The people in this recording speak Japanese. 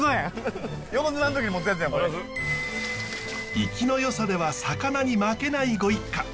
生きのよさでは魚に負けないご一家。